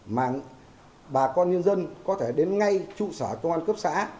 mà bà con nhân dân có thể đến ngay trụ sở công an cấp xã